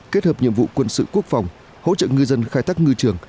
kết hợp nhiệm vụ quân sự quốc phòng hỗ trợ ngư dân khai thác ngư trường